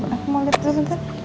aku mau liat dulu bentar